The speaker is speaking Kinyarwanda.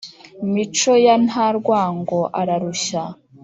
mico ya nta rwango ararushya